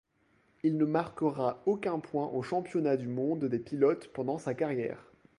Il ne marquera aucun point au Championnat du Monde des pilotes pendant sa carrière.